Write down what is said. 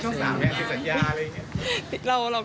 ก็มีการติดต่อต้องขอบคุณผู้ใหญ่ค่ะ